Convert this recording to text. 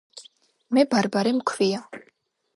მე ბარბარე მქვია